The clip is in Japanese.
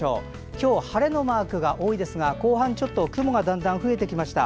今日、晴れのマークが多いですが後半、ちょっと雲のマークが増えてきました。